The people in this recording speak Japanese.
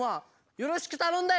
よろしくたのんだよ。